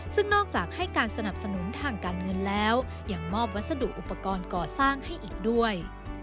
ซึ่งนอกจากให้การสนับสนุนทางการเงินแล้วยังมอบวัสดุอุปกรณ์ก่อสร้างให้อีกด้วย